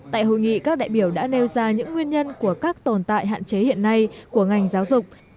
tại hội nghị các đại biểu đã nêu ra những nguyên nhân của các tồn tại hạn chế hiện nay của ngành giáo dục